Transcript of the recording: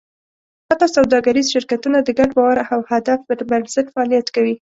حتی سوداګریز شرکتونه د ګډ باور او هدف پر بنسټ فعالیت کوي.